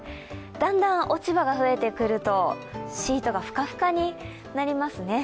だんだん落ち葉が増えてくるとシートがふかふかになりますね。